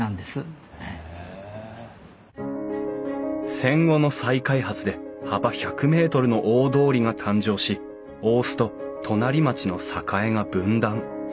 戦後の再開発で幅１００ｍの大通りが誕生し大須と隣町の栄が分断。